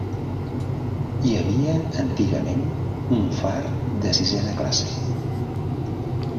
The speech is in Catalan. Hi havia antigament un far de sisena classe.